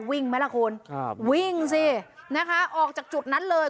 ไหมล่ะคุณครับวิ่งสินะคะออกจากจุดนั้นเลย